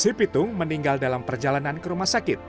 si pitung meninggal dalam perjalanan ke rumah sakit